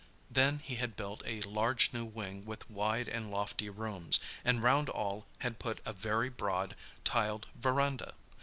Then he had built a large new wing with wide and lofty rooms, and round all had put a very broad, tiled verandah.